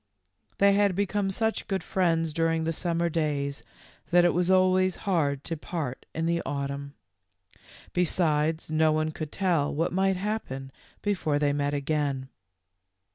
They had become such good friends during the summer days that it was always hard to part in the autumn ; besides, no one could tell what might happen before they met again.